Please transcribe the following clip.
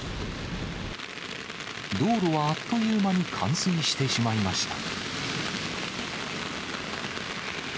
道路はあっという間に冠水してしまいました。